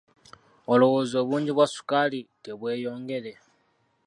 Olowooza obungi bwa ssukaali tebweyongere?